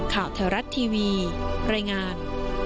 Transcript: ข่าวแถวรัฐทีวีรายงาน